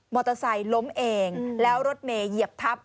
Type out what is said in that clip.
เตอร์ไซค์ล้มเองแล้วรถเมย์เหยียบทับ